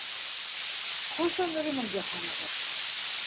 Ҡасан ремонт яһанығыҙ?